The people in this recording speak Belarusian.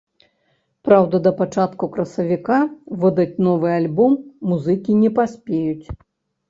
Праўда, да пачатку красавіка выдаць новы альбом музыкі не паспеюць.